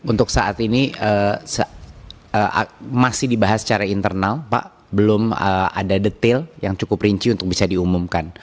untuk saat ini masih dibahas secara internal pak belum ada detail yang cukup rinci untuk bisa diumumkan